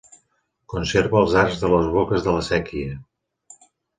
Conserva els arcs de les boques de la séquia.